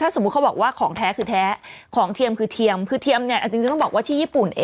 ถ้าสมมุติว่าของแท้คือแท้ของเทียร์คือเทียร์คือเทียมจะอาจจะบอกว่าที่